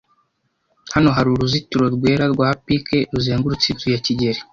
Hano hari uruzitiro rwera rwa pike ruzengurutse inzu ya kigeli.